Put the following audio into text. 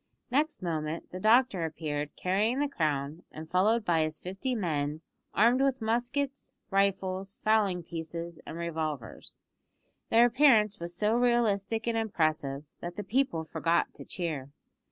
Next moment the doctor appeared carrying the crown, and followed by his fifty men, armed with muskets, rifles, fowling pieces, and revolvers. Their appearance was so realistic and impressive that the people forgot to cheer.